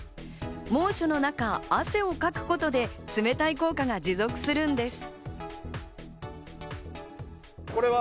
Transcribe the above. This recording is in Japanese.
猛暑の中、汗をかくことで冷たい効果が持続するんです。